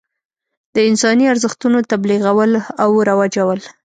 د انساني ارزښتونو تبلیغول او رواجول.